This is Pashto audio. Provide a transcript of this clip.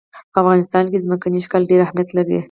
په افغانستان کې ځمکنی شکل ډېر اهمیت لري.